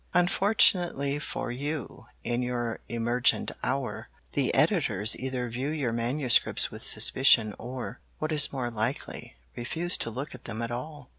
Unfortunately for you in your emergent hour, the editors either view your manuscripts with suspicion or, what is more likely, refuse to look at them at all.